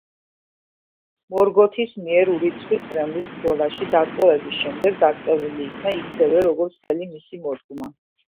მორგოთის მიერ ურიცხვი ცრემლის ბრძოლაში დატყვევების შემდეგ დაწყევლილი იქნა, ისევე, როგორც მთელი მისი მოდგმა.